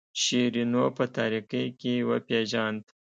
شیرینو په تاریکۍ کې وپیژاند.